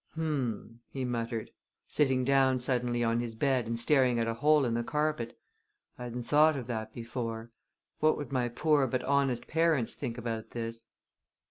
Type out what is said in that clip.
"Hum!" he muttered, sitting down suddenly on his bed and staring at a hole in the carpet, "I hadn't thought of that before! What would my poor but honest parents think about this?"